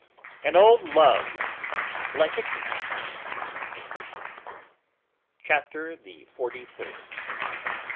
An old love's like a cancer!" CHAPTER THE FORTY THIRD.